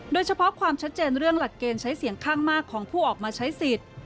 โดยเฉพาะความชัดเจนเรื่องหลักเกณฑ์ใช้เสียงข้างมากของผู้ออกมาใช้สิทธิ์